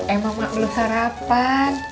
emang mak belum sarapan